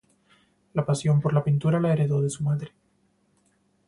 La pasión por la pintura la heredó de su madre.